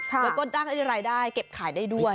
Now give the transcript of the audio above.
แล้วก็จ้างรายได้เก็บขายได้ด้วย